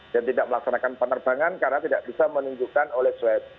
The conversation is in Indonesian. dan tidak melaksanakan penerbangan karena tidak bisa menunjukkan oleh swep